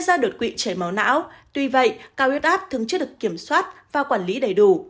ra đột quỵ chảy máu não tuy vậy cao huyết áp thường chưa được kiểm soát và quản lý đầy đủ